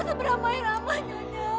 saya diperkuasa beramai ramai yonya